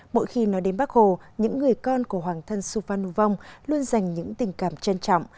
mỗi khi nói đến bác hồ những người con của hoàng thân su phan nu vong luôn dành những tình cảm trân trọng